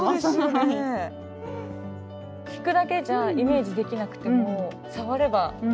聞くだけじゃイメージできなくても触れば。